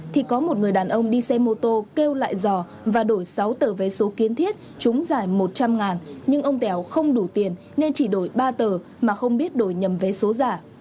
thì có một người đàn ông đi xe mô tô kêu lại giò và đổi sáu tờ vé số kiến thiết chúng dài một trăm linh nhưng ông tẻo không đủ tiền nên chỉ đổi ba tờ mà không biết đổi nhầm vé số giả